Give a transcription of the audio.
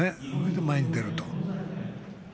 それで前に出ると。